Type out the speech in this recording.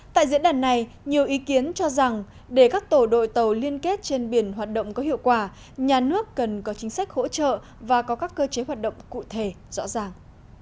tại diễn đàn này nhiều ý kiến cho rằng để các tổ đội tàu liên kết trên biển hoạt động có hiệu quả nhà nước cần có chính sách hỗ trợ và có các cơ chế hoạt động cụ thể rõ ràng